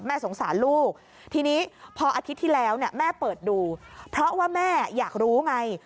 แล้วเนี่ยแม่เปิดดูเพราะว่าแม่อยากรู้ไง